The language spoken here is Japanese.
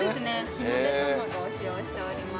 日の出卵を使用しております。